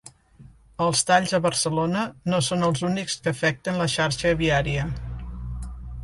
Els talls a Barcelona no són els únics que afecten la xarxa viària.